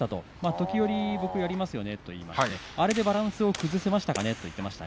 時折僕、やりますよねと言っていてあれでバランスを崩せましたかねと言っていました。